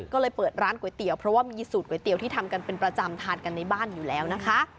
ก็เลยเปิดร้านก๋วยเตี๋ยวเพราะว่ามีสูตรก๋วยเตี๋ยวที่ทำกันเป็นประจำทานกันในบ้านอยู่แล้วนะคะ